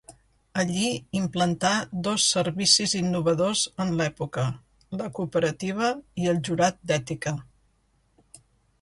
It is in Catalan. Allí implantà dos servicis innovadors en l'època: la cooperativa i el jurat d'ètica.